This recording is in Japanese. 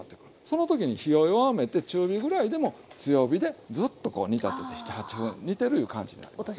その時に火を弱めて中火ぐらいでも強火でずっとこう煮立てて７８分煮てるいう感じになりますね。